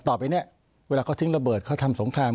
ต่อไปเนี่ยเวลาเขาทิ้งระเบิดเขาทำสงคราม